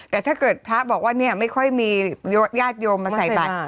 แต่ถ้าเกิดพระบอกว่าเนี่ยไม่ค่อยมีญาติโยมมาใส่บัตร